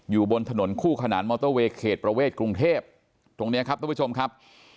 อยู่บนถนนคู่ขนานมอเตอร์เวย์เขตประเวทกรุงเทพตรงนี้ครับทุกผู้ชมครับ